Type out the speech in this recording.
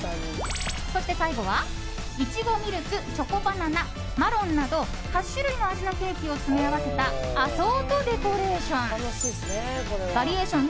そして最後は、苺みるくチョコバナナ、マロンなど８種類の味のケーキを詰め合わせたアソートデコレーション。